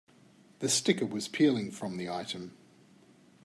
The sticker was peeling from the item.